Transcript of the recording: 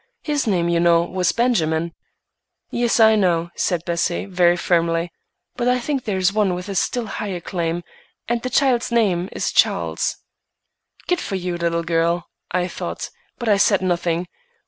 His name, you know, was Benjamin." "Yes, I know," said Bessie, very firmly, "but I think there is one with a still higher claim, and the child's name is Charles." "Good for you, little girl!" I thought, but I said nothing.